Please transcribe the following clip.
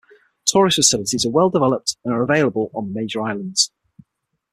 Tourist facilities are well developed and are available on the major islands.